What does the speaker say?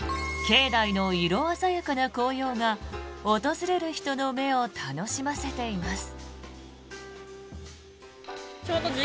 境内の色鮮やかな紅葉が訪れる人の目を楽しませています。